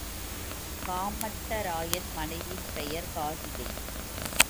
காமட்டராயன் மனைவியின் பெயர் காசிகை.